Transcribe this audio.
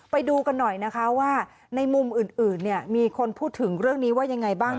ไปดูกันหน่อยนะคะว่าในมุมอื่นเนี่ยมีคนพูดถึงเรื่องนี้ว่ายังไงบ้าง